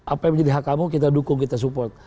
apa yang menjadi hak kamu kita dukung kita support